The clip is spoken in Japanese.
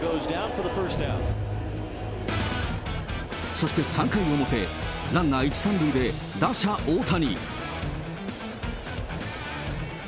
そして３回表、ランナー１、３塁で打者大谷。